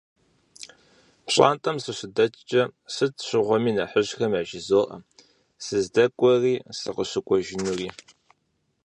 Пщӏантӏэм сыщыдэкӏкӏэ, сыт щыгъуэми нэхъыжьхэм яжызоӏэ сыздэкӏуэри сыкъыщыкӏуэжынури.